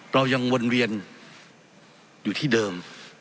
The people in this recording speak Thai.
เรายังวนเวียนอยู่ที่เดิม